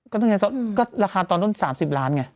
ก็ต้องทายราคาตอนนั้น๓๐ล้านไง